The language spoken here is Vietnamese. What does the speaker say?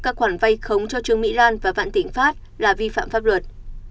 các khoản vay khống cho trương mỹ lan và vạn thịnh pháp là vi phạm pháp luật